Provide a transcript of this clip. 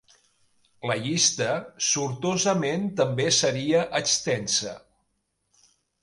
La llista, sortosament, també seria extensa.